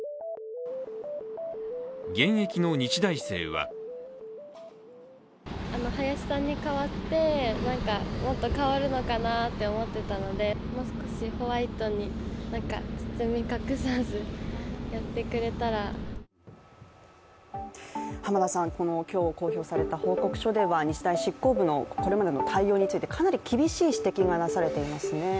現役の日大生は今日、公表された報告書では日大執行部のこれまでの対応についてかなり厳しい指摘がされていますね。